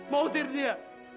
mau usir dia